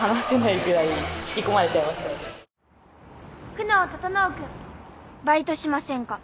「久能整君バイトしませんか？」